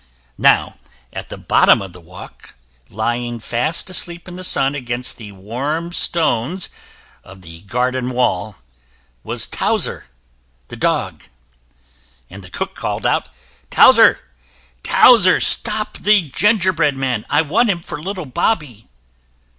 Now at the bottom of the walk, lying fast asleep in the sun against the warm stones of the garden wall, was Towser, the dog. And the cook called out: "Towser, Towser, stop the gingerbread man! I want him for little Bobby."